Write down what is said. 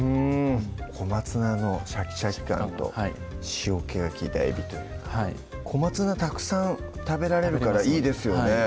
小松菜のシャキシャキ感と塩けが利いたえびと小松菜たくさん食べられるからいいですよね